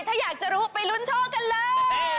ถ้าอยากจะรู้ไปลุ้นโชคกันเลย